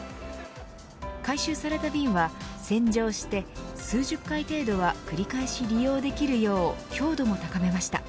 回収された瓶は洗浄して数十回程度は繰り返し利用できるよう強度も高めました。